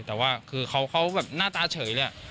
แต่ว่าคือเขาแบบหน้าตาเฉยเลย